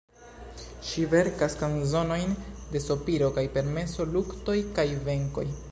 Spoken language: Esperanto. Ŝi verkas kanzonojn de sopiro kaj permeso, luktoj kaj venkoj.